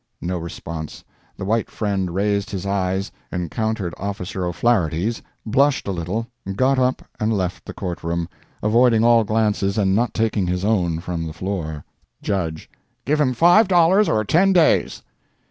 No response. The white friend raised his eyes—encountered Officer O'Flaherty's—blushed a little—got up and left the court room, avoiding all glances and not taking his own from the floor. JUDGE—"Give him five dollars or ten days."